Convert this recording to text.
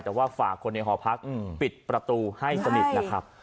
แต่ว่าฝากคนในหอพักปิดประตูให้สนิทนะครับ